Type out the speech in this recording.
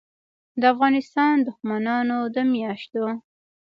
دافغانستان دښمنانودمیاشتو